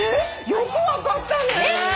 よく分かったねー。